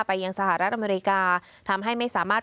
ยังสหรัฐอเมริกาทำให้ไม่สามารถ